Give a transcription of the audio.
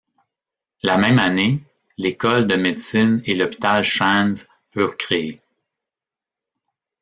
La même année, l'école de médecine et l'hôpital Shands furent créés.